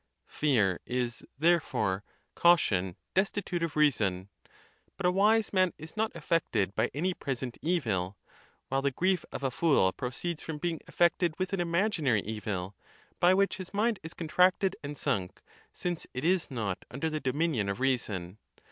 Fear is, therefore, caution destitute of reason. But a wise man is not affect ed by any present evil; while the grief of a fool proceeds from being affected with an imaginary evil, by which his mind is contracted and sunk, since it is not under the do 134 THE TUSCULAN DISPUTATIONS. minion of reason.